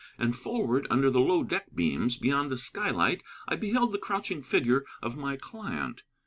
And forward, under the low deck beams beyond the skylight, I beheld the crouching figure of my client.